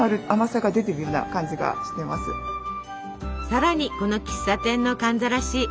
さらにこの喫茶店の寒ざらし。